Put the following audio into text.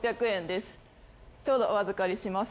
ちょうどお預かりします。